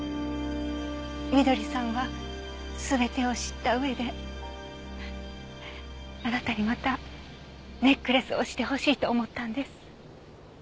翠さんは全てを知った上であなたにまたネックレスをしてほしいと思ったんです。